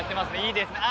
いいですね。